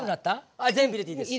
あ全部入れていいです。